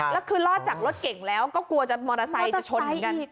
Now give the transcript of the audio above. แล้วคือรอดจากรถเก่งแล้วก็กลัวจะมอเตอร์ไซค์จะชนเหมือนกัน